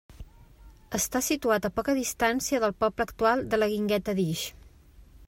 Està situat a poca distància del poble actual de la Guingueta d'Ix.